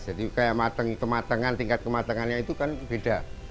jadi tingkat kematangan itu kan beda